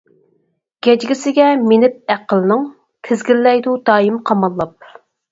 گەجگىسىگە مىنىپ ئەقىلنىڭ، تىزگىنلەيدۇ دائىم قاماللاپ.